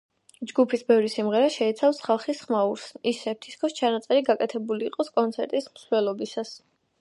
ჯგუფის ბევრი სიმღერა შეიცავს ხალხის ხმაურს, ისე თითქოს ჩანაწერი გაკეთებული იყოს კონცერტის მსვლელობისას.